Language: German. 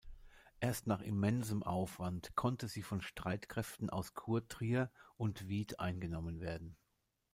Erst nach immensem Aufwand konnte sie von Streitkräften aus Kurtrier und Wied eingenommen werden.